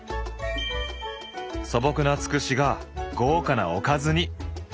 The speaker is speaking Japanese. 素朴なつくしが豪華なおかずに。